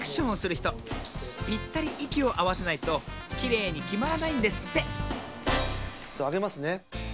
ひとぴったりいきをあわせないときれいにきまらないんですってあげますね。